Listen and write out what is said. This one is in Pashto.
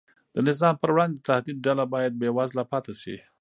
د نظام پر وړاندې د تهدید ډله باید بېوزله پاتې شي.